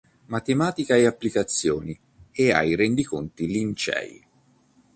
Matematica e Applicazioni" e ai "Rendiconti Lincei.